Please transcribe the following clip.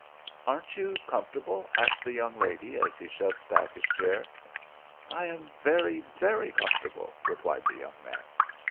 "Aren't you comfortable?" asked the young lady, as he shoved back his chair. "I am very, very comfortable," replied the young man.